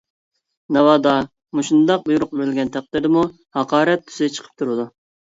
ناۋادا مۇشۇنداق بۇيرۇق بېرىلگەن تەقدىردىمۇ ھاقارەت تۈسى چىقىپ تۇرىدۇ.